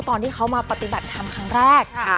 ตอนที่เขามาปฏิบัติธรรมครั้งแรก